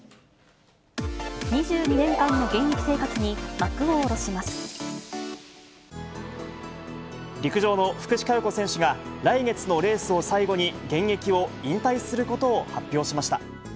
２２年間の現役生活に幕を下陸上の福士加代子選手が、来月のレースを最後に現役を引退することを発表しました。